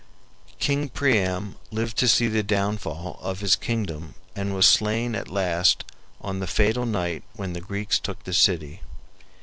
King Priam lived to see the downfall of his kingdom and was slain at last on the fatal night when the Greeks took the city.